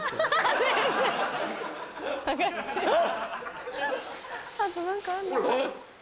あっ。